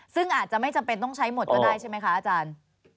ซึ่งอาจจะไม่จำเป็นต้องใช้หมดก็ได้ใช่ไหมคะอาจารย์